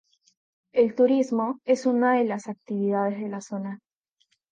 El turismo es una de las actividades de la zona.